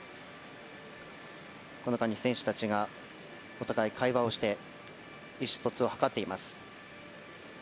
この間に選手たちがお互いに会話をして意思疎通を図っています。